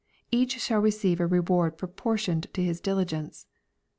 Each shall receive a reward proportioned to his diligence.